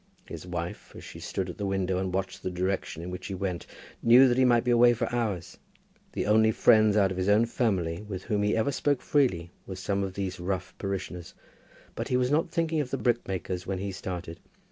His wife, as she stood at the window and watched the direction in which he went, knew that he might be away for hours. The only friends out of his own family with whom he ever spoke freely were some of these rough parishioners. But he was not thinking of the brickmakers when he started.